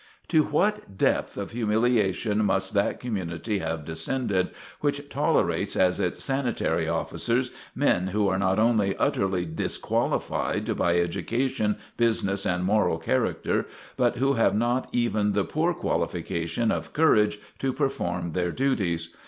To what depth of humiliation must that community have descended, which tolerates as its sanitary officers men who are not only utterly disqualified by education, business, and moral character, but who have not even the poor qualification of courage to perform their duties.